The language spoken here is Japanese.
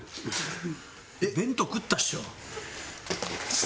弁当食ったっしょ？